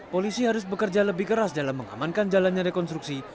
polisi harus bekerja lebih keras dalam mengamankan jalannya rekonstruksi